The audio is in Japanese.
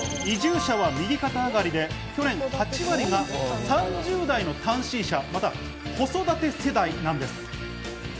移住者は右肩上がりで去年、８割が３０代の単身者、また子育て世代なんです。